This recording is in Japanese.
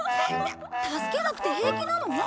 助けなくて平気なの？